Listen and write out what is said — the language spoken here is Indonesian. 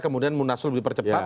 kemudian munasul dipercepat